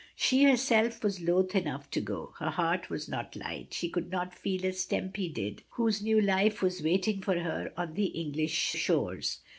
She herself was loth enough to go. Her heart was not light, she could not feel as Tempy did, whose new life was waiting for her on the English shores.